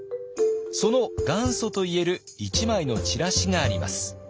その元祖といえる１枚のチラシがあります。